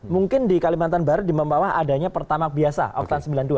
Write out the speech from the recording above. mungkin di kalimantan barat di bawah adanya pertamak biasa oktan sembilan puluh dua